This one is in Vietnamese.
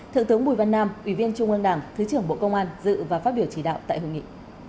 thượng tướng bùi văn nam ủy viên trung ương đảng thứ trưởng bộ công an dự và phát biểu chỉ đạo tại hội nghị